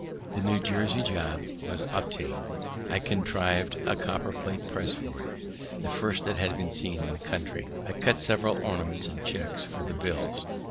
The New Jersey jobb was obtained, I contriv'd a copperplate press for it, the first that had been seen in the country; I cut several ornaments and checks for the bills.